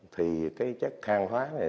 thì cái chất thang hóa này